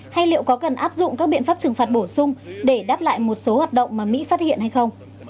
hay liệu có cần áp dụng các biện pháp trừng phạt bổ sung để đáp lại một số hoạt động mà mỹ phát hiện hay không